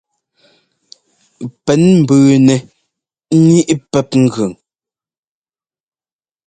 Pɛ́n mbʉʉnɛ ŋíʼ pɛ́p ŋgʉn.